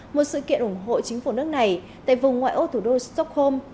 một sự kiện ủng hộ chính phủ nước này tại vùng ngoại ô thủ đô stockholm